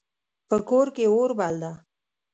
په کور کې اور بل ده